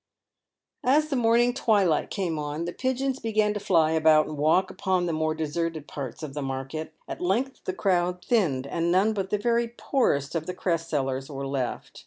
As the morning twilight came on, the pigeons began to fly about and walk along upon the more deserted parts of the market. »At length the crowd thinned, and none but the very poorest of the cress sellers were left.